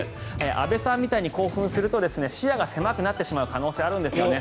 安部さんのように興奮すると視野が狭くなってしまう可能性があるんですね。